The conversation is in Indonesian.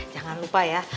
jangan lupa ya